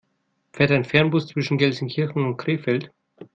Fährt ein Fernbus zwischen Gelsenkirchen und Krefeld?